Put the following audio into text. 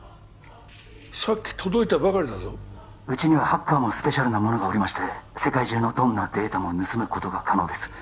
さっき届いたばかりだぞうちにはハッカーもスペシャルな者がおりまして世界中のどんなデータも盗むことが可能です